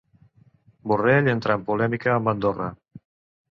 Borrell entra en polèmica amb Andorra